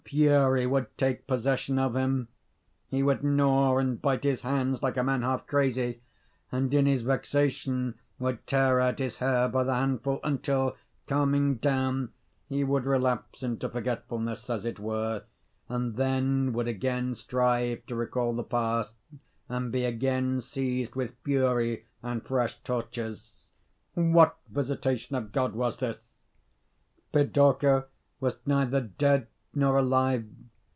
Fury would take possession of him: he would gnaw and bite his hands like a man half crazy, and in his vexation would tear out his hair by the handful, until, calming down, he would relapse into forgetfulness, as it were, and then would again strive to recall the past and be again seized with fury and fresh tortures. What visitation of God was this? Pidorka was neither dead not alive.